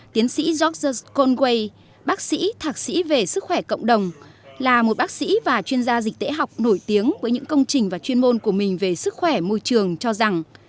tiến sĩ jose conway bác sĩ thạc sĩ về sức khỏe cộng đồng là một bác sĩ và chuyên gia dịch tễ học nổi tiếng với những công trình và chuyên môn của mình về sức khỏe môi trường cho rằng